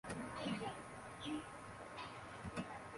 Why not earn while you learn?